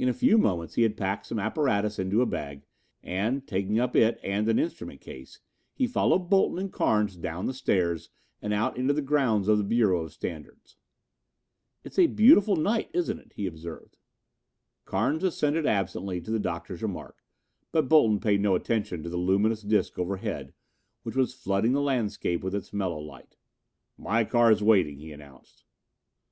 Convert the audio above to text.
In a few moments he had packed some apparatus in a bag and, taking up it and an instrument case, he followed Bolton and Carnes down the stairs and out onto the grounds of the Bureau of Standards. "It's a beautiful moon, isn't it?" he observed. Carnes assented absently to the Doctor's remark, but Bolton paid no attention to the luminous disc overhead, which was flooding the landscape with its mellow light. "My car is waiting," he announced.